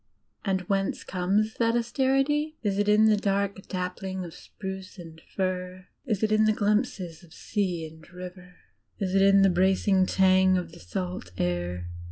And whence comes that austerity? Is it in the dark dappling of spruce and fir? Is it in the glimpses of sea and river? Is it in the bracing tang of the salt air?